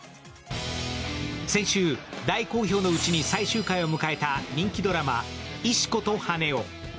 先週、大好評のうちに最終回を迎えた人気ドラマ「石子と羽男」。